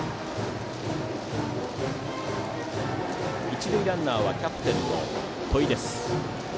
一塁ランナーはキャプテンの戸井です。